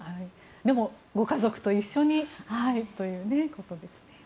でもご家族と一緒にということですね。